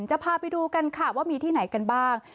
จะพาไปดูกันค่ะว่ามีที่ไหนกันบ้าง